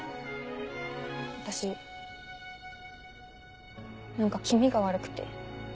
私何か気味が悪くて。